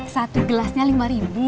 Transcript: satu gelasnya lima ribu